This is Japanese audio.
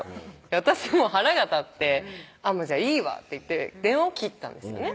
私もう腹が立って「じゃあいいわ」って言って電話を切ったんですよね